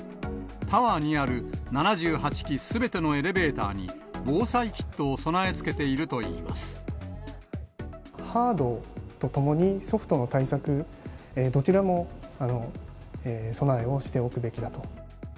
タワーにある７８基すべてのエレベーターに、防災キットを備え付ハードとともにソフトの対策、どちらも備えをしておくべきだと。